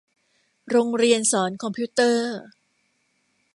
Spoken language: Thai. โรงเรียนสอนคอมพิวเตอร์